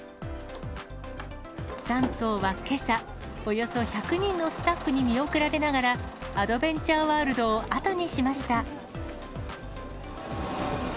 ３頭はけさ、およそ１００人のスタッフに見送られながら、アドベンチャーワールドを後にしました。